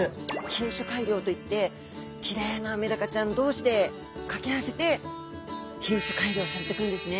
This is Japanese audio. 品種改良といってきれいなメダカちゃん同士で掛け合わせて品種改良されていくんですね。